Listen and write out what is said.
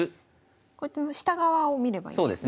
こっちの下側を見ればいいんですね？